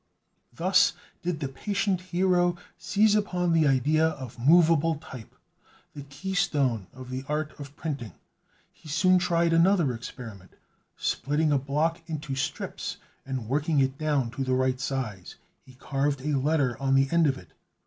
Thus did the patient hero seize upon the idea of movable type, the key stone of the art of printing. He soon tried another experiment; splitting a block into strips, and working it down to the right size, he carved a letter on the end of it.